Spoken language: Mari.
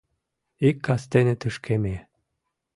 Ик кастене тышке ме